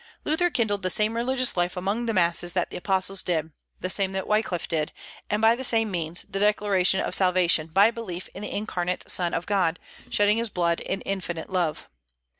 Luther kindled the same religious life among the masses that the apostles did; the same that Wyclif did, and by the same means, the declaration of salvation by belief in the incarnate Son of God, shedding his blood in infinite love.